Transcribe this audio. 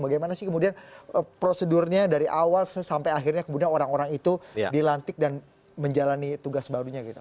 bagaimana sih kemudian prosedurnya dari awal sampai akhirnya kemudian orang orang itu dilantik dan menjalani tugas barunya gitu